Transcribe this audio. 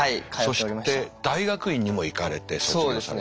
そして大学院にも行かれて卒業されて。